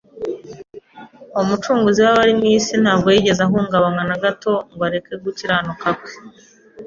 Umucunguzi w’abari mu isi ntabwo yigeze ahungabanywa na gato ngo areke gukiranuka kwe